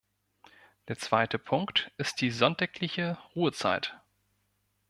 Der zweite Punkt ist die sonntägliche Ruhezeit.